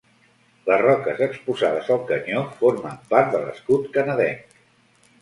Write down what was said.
Les roques exposades al Canyó formen part de l'escut canadenc.